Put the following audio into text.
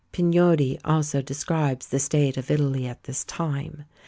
Pignotti also describes the state of Italy at this time.